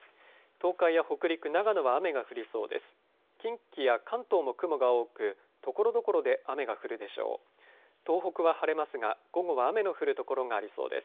東海や北陸、長野は雨が降りそうです。